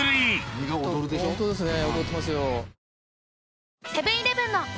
・身が踊るでしょ・ホントですね。